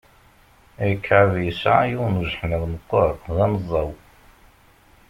Ikɛeb yesɛa yiwen ujeḥniḍ meqqer, d aneẓẓaw.